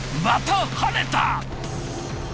また跳ねた！